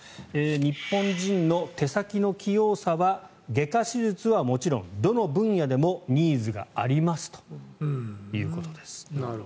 日本人の手先の器用さは外科手術はもちろんどの分野でもニーズがありますということです。